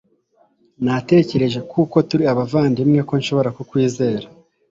natekereje kuko turi abavandimwe ko nshobora kukwizera